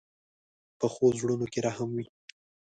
پخو زړونو کې رحم وي